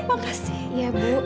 makasih ya bu